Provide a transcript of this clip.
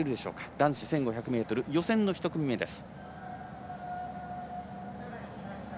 男子１５００ｍ予選の１組目です。